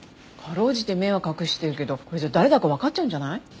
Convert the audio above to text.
かろうじて目は隠してるけどこれじゃ誰だかわかっちゃうんじゃない？